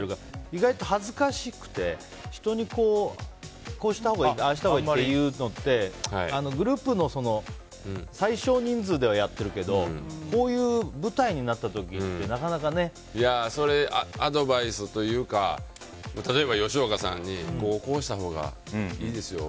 意外と恥ずかしくて人にこうしたほうがいいああしたほうがいいって言うのってグループの最少人数ではやってるけどこういう舞台になった時ってアドバイスというか例えば吉岡さんにこうしたほうがいいですよ。